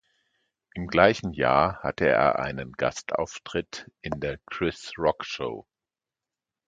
Im gleichen Jahr hatte er einen Gastauftritt in der "Chris Rock Show".